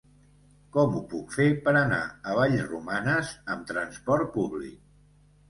Com ho puc fer per anar a Vallromanes amb trasport públic?